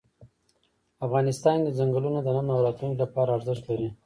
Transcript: افغانستان کې چنګلونه د نن او راتلونکي لپاره ارزښت لري.